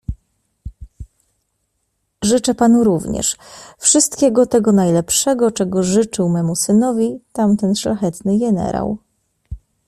"Życzę panu również wszystkiego tego najlepszego, czego życzył memu synowi tamten szlachetny jenerał..."